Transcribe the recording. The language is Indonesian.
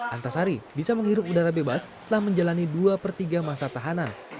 antasari bisa menghirup udara bebas setelah menjalani dua per tiga masa tahanan